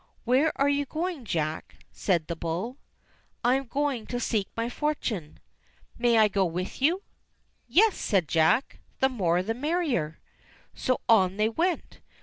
| "Where are you going, Jack.?" said the bull. 1 "I am going to seek my fortune." "May I go with you?" "Yes," said Jack, "the more the merrier." So on they went.